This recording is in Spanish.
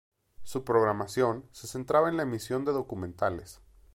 Su programación se centraba en la emisión de documentales.